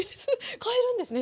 変えるんですね